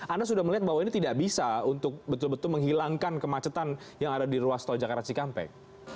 anda sudah melihat bahwa ini tidak bisa untuk betul betul menghilangkan kemacetan yang ada di ruas tol jakarta cikampek